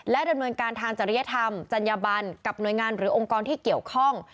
ดำเนินการทางจริยธรรมจัญญบันกับหน่วยงานหรือองค์กรที่เกี่ยวข้อง